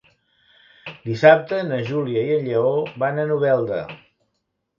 Dissabte na Júlia i en Lleó van a Novelda.